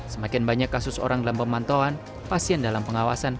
semakin banyak kasus orang dalam pemantauan pasien dalam pengawasan